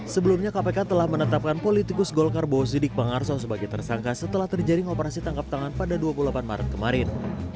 sebelumnya kpk telah menetapkan politikus golkar bozidik pangarso sebagai tersangka setelah terjadi operasi tangkap tangan pada dua puluh delapan maret kemarin